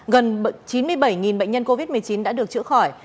gần chín mươi bảy bệnh nhân covid một mươi chín đã được chữa khỏi